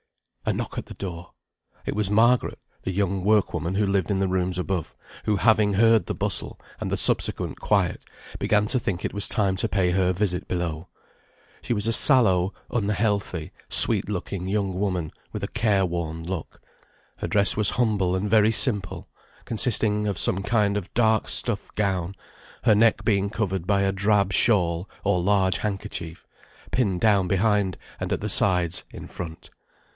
A knock at the door! It was Margaret, the young workwoman who lived in the rooms above, who having heard the bustle, and the subsequent quiet, began to think it was time to pay her visit below. She was a sallow, unhealthy, sweet looking young woman, with a careworn look; her dress was humble and very simple, consisting of some kind of dark stuff gown, her neck being covered by a drab shawl or large handkerchief, pinned down behind and at the sides in front.